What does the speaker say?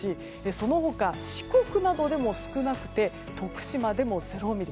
その他、四国などでも少なくて徳島でも０ミリ。